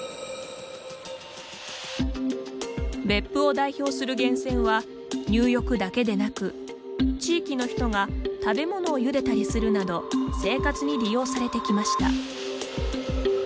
別府を代表する源泉は入浴だけでなく地域の人が食べ物をゆでたりするなど生活に利用されてきました。